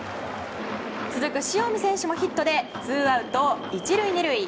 続く塩見選手もヒットでツーアウト、１塁２塁。